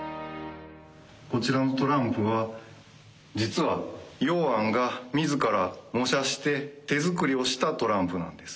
こちらのトランプは実は榕菴が自ら模写して手作りをしたトランプなんです。